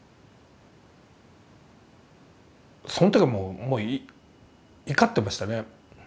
その時はもう怒ってましたね。